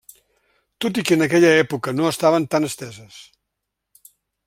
Tot i que en aquella època no estaven tan esteses.